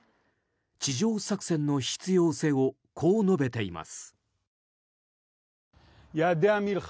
地上作戦の必要性をこう述べています。